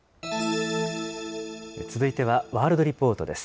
続いてはワールドリポートです。